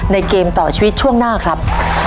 เกมต่อชีวิตช่วงหน้าครับ